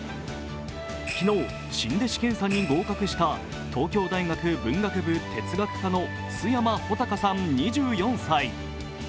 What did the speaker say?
昨日、新弟子検査に合格した東京大学文学部哲学科の須山穂嵩さん２４歳。